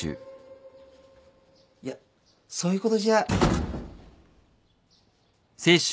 いやそういうことじゃ。